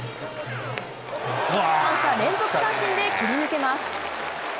三者連続三振で切り抜けます。